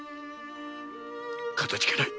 かたじけない。